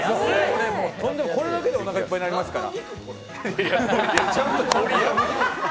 とんでもない、これだけでもうおなかいっぱいになりますから。